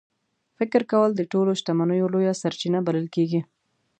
فکر کول د ټولو شتمنیو لویه سرچینه بلل کېږي.